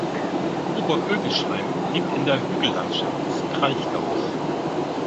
Oberöwisheim liegt in der Hügellandschaft des Kraichgaus.